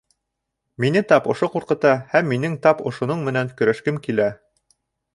Мине тап ошо ҡурҡыта, һәм минең тап ошоноң менән көрәшкем килә.